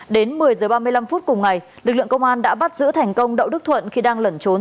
đến một mươi h ba mươi năm phút cùng ngày lực lượng công an đã bắt giữ thành công đậu đức thuận khi đang lẩn trốn